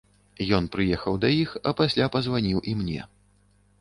Ён прыехаў да іх, а пасля пазваніў і мне.